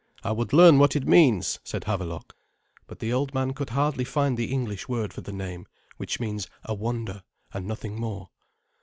I would learn what it means," said Havelok. But the old man could hardly find the English word for the name, which means "a wonder," and nothing more.